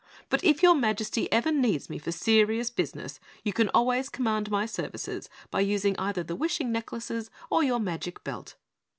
But if Your Majesty ever needs me for serious business, you can always command my services by using either the wishing necklaces or your magic belt."